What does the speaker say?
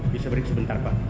bisa beri sebentar pak